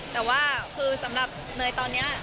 แต่ว่าคือสำหรับเนยตอนนี้